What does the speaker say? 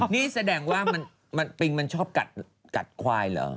นี่แสดงว่าปิงมันชอบกัดควายเหรอ